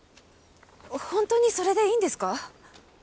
本当にそれでいいんですか？